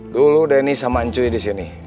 dulu denny sama ncuy disini